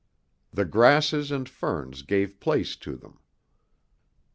The grasses and ferns gave place to them.